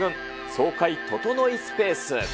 爽快ととのいスペース。